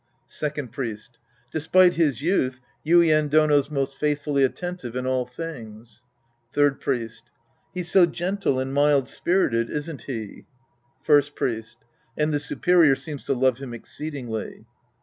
Second Priest. Despite his youth, Yuien Dono's most faithfully attentive in all things. Third Priest. He's so gentle and mild spirited, isn't he ? First Priest. And the superior seems to love him exceedingly.